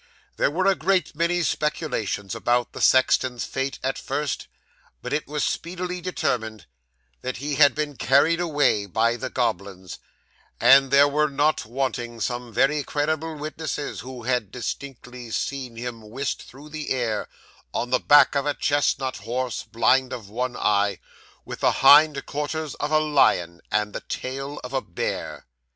There were a great many speculations about the sexton's fate, at first, but it was speedily determined that he had been carried away by the goblins; and there were not wanting some very credible witnesses who had distinctly seen him whisked through the air on the back of a chestnut horse blind of one eye, with the hind quarters of a lion, and the tail of a bear.